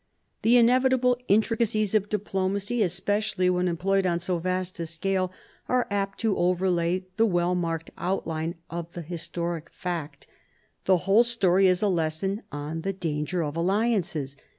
The inevitable intricacies of diplomacy, especially when employed on so vast a scale, are apt to overlay the well marked outline of the historic fact. The whole story is a lesson on the danger of alliances.